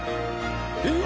えっ！？